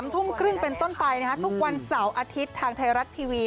ทุ่มครึ่งเป็นต้นไปทุกวันเสาร์อาทิตย์ทางไทยรัฐทีวี